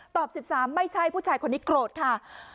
๑๓ไม่ใช่ผู้ชายคนนี้โกรธค่ะ